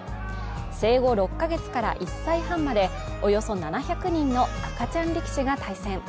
生後６ヶ月から１歳半までおよそ７００人の赤ちゃん力士が対戦。